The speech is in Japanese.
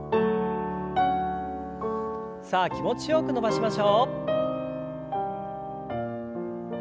さあ気持ちよく伸ばしましょう。